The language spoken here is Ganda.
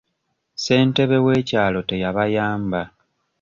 Ssentebe w'ekyalo teyabayamba.